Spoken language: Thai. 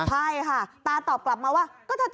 ใช่ค่ะตาตอบกลับมาว่า